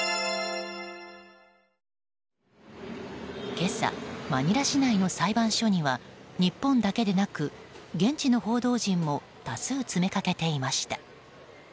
今朝、マニラ市内の裁判所には日本だけでなく現地の報道陣も多数詰めかけていました。